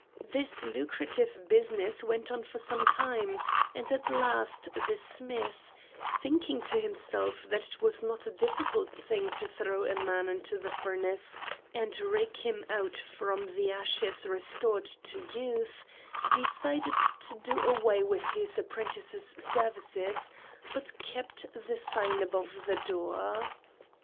This lucrative business went on for some time, and at last the smith, thinking to himself that it was not a difficult thing to throw a man into the furnace and rake him out from the ashes restored to youth, decided to do away with his apprentice's services, but kept the sign above the door.